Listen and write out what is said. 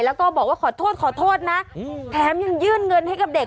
แล้วก็บอกว่าขอโทษขอโทษนะแถมยังยื่นเงินให้กับเด็ก